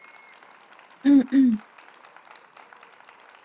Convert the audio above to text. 而伊拉克反恐局本身也受到伊拉克国防部资助。